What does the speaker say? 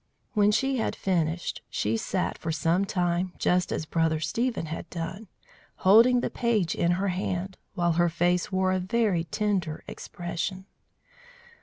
When she had finished, she sat for some time, just as Brother Stephen had done, holding the page in her hand, while her face wore a very tender expression.